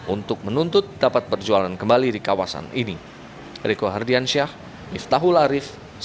untuk menuntut dapat berjualan kembali di kawasan ini